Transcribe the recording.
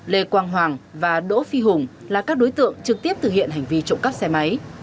lê quang hoàng và đỗ phi hùng là các đối tượng trực tiếp thực hiện hành vi trộm cắp xe máy